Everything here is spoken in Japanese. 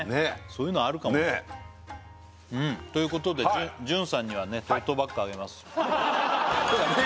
そういうのあるかもねえうんということでＪＵＮさんにはトートバッグあげますそうだね